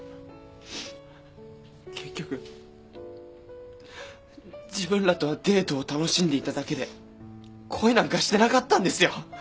結局自分らとはデートを楽しんでいただけで恋なんかしてなかったんですよ。